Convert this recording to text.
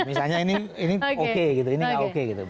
misalnya ini oke ini enggak oke